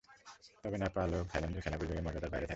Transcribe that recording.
তবে, নেপাল ও থাইল্যান্ডের খেলাগুলো এ মর্যাদার বাইরে থাকবে।